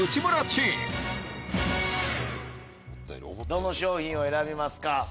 どの商品を選びますか？